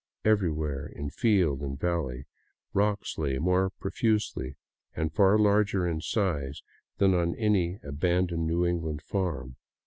Everywhere, in field and valley, rocks lay more profusely and far larger in size than on any abandoned New England farm.